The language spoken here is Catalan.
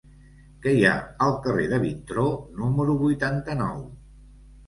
Què hi ha al carrer de Vintró número vuitanta-nou?